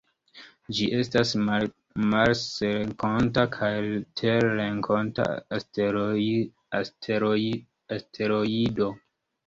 Ĝi estas marsrenkonta kaj terrenkonta asteroido.